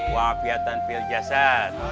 wa fi'atan fi'l jasad